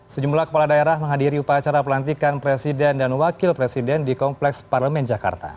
sejumlah kepala daerah menghadiri upacara pelantikan presiden dan wakil presiden di kompleks parlemen jakarta